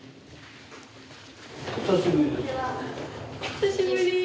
お久しぶりです。